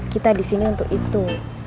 kita disini untuk itu